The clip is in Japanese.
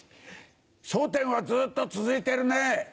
『笑点』はずっと続いてるね。